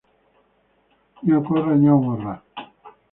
Não corra, não morra.